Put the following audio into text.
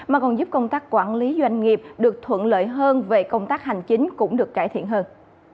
mà còn giúp công tác quản lý doanh nghiệp được thuận lợi hơn về công tác hành chính cũng được cải thiện hơn